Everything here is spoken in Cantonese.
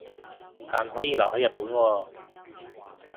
但可以留係日本喎